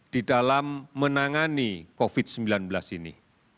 di dalam menangani covid sembilan belas ini